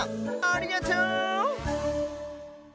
ありがとう！